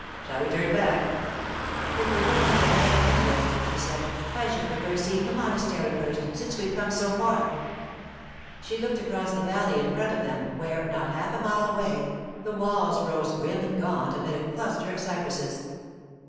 Shall we turn back?' 'If we're going to get wet anyway,' she said, 'I should prefer seeing the monastery first, since we've come so far.' She looked across the valley in front of them, where, not half a mile away, the walls rose grim and gaunt amid a cluster of cypresses.